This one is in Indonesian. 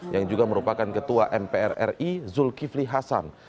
yang juga merupakan ketua mprri zulkifli hasan